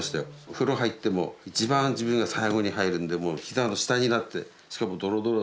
風呂入っても一番自分が最後に入るんで膝の下になってしかもドロドロ。